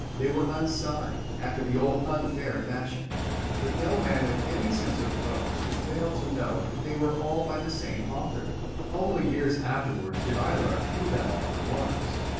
They were unsigned, after the old unfair fashion, but no man with any sense of prose could fail to know that they were all by the same author. Only years afterwards did I learn who that author was.